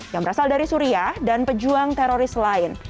yang berasal dari suriah dan pejuang teroris lain